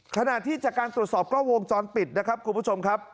ขณะที่จากการตรวจสอบกล้องวงจรปิดนะครับคุณผู้ชมครับ